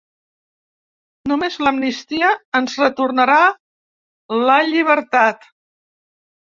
Només l’amnistia ens retornarà la llibertat.